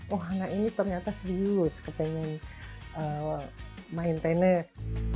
oh anak ini ternyata serius kepingin main tenis